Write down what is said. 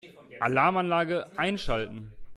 Alarmanlage einschalten.